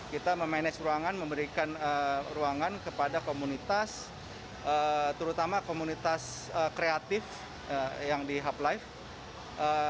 kita memanage ruangan memberikan ruangan kepada komunitas terutama komunitas kreatif yang di hub life